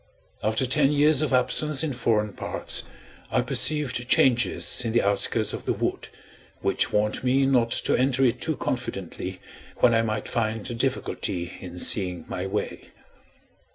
After ten years of absence in foreign parts, I perceived changes in the outskirts of the wood, which warned me not to enter it too confidently when I might find a difficulty in seeing my way.